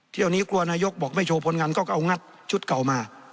เที่ยวนี้กลัวนายกบอกไม่โชว์ผลงานก็เอางัดชุดเก่ามา